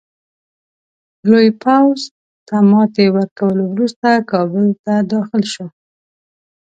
لوی پوځ ته ماتي ورکولو وروسته کابل ته داخل شو.